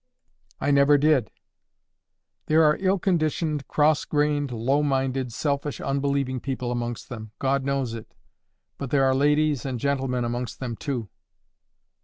"I never did." "There are ill conditioned, cross grained, low minded, selfish, unbelieving people amongst them. God knows it. But there are ladies and gentlemen amongst them too."